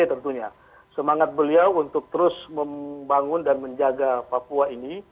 tentunya semangat beliau untuk terus membangun dan menjaga papua ini